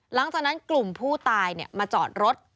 หลังจากนั้นกลุ่มผู้ตายมาจอดรถ